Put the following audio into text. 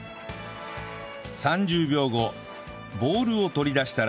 ３０秒後ボウルを取り出したら